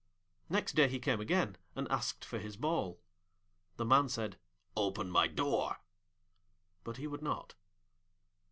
Next day he came again, and asked for his ball. The Man said, 'Open my door'; but he would not.